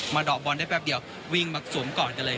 เดาะบอลได้แป๊บเดียววิ่งมาสวมกอดกันเลย